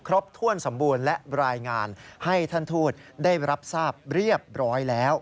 ครบถ้วนสมบูรณ์และรายงานให้ท่านทูตได้รับทราบเรียบร้อยแล้ว